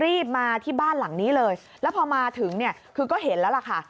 รีบมาที่บ้านหลังนี้เลยแล้วพอมาถึงเนี่ยคือก็เห็นแล้วล่ะค่ะ